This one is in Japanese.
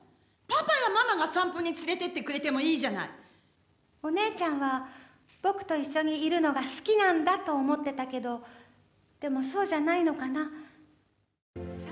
パパやママが散歩に連れて行ってくれてもお姉ちゃんは僕と一緒にいるのが好きなんだと思ってたけどでも、そうじゃないのかな。